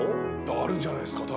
あるんじゃないですか？